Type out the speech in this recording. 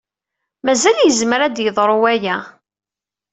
Mazal yezmer ad yeḍru waya.